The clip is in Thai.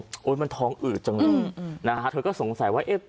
โจ๊ะมันท้องอึดจังเลยแล้วเธอก็สงสัยว่า